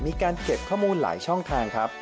มีการเก็บข้อมูลหลายช่องทางครับ